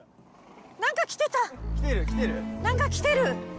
何かきてる。